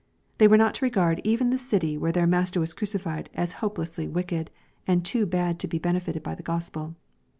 They were not to regard even the city where their Master was crucified as hopelessly wicked, and too bad to be benefited by the Gospel.